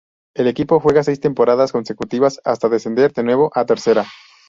El equipo juega seis temporadas consecutivas hasta descender de nuevo a Tercera.